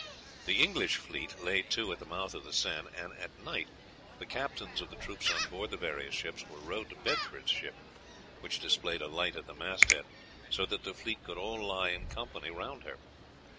The English fleet lay to at the mouth of the Seine, and at night the captains of the troops on board the various ships were rowed to Bedford's ship, which displayed a light at the mast head, so that the fleet could all lie in company round her.